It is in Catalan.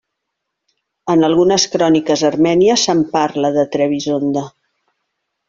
En algunes cròniques armènies se'n parla de Trebisonda.